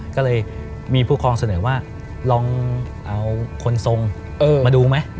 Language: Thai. ก็เลยมีผู้ครองเสนอว่าลองเอาคนทรงมาดูไหม